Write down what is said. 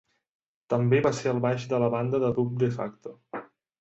També va ser el baix de la banda de dub De Facto.